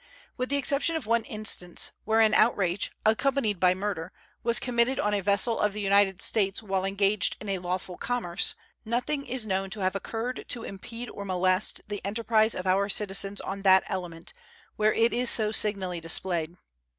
With the exception of one instance, where an outrage, accompanied by murder, was committed on a vessel of the United States while engaged in a lawful commerce, nothing is known to have occurred to impede or molest the enterprise of our citizens on that element, where it is so signally displayed.